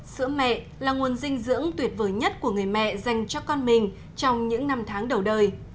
sữa mẹ là nguồn dinh dưỡng tuyệt vời nhất của người mẹ dành cho con mình trong những năm tháng đầu đời